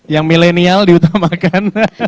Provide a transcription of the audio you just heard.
yang milenial diutamakan